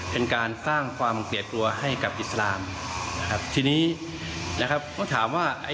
เป็นการสร้างความเกลียดกลัวให้กับอิสลามทีนี้นะครับต้องถามว่า